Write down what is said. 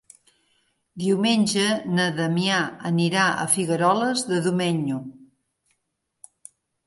Diumenge na Damià anirà a Figueroles de Domenyo.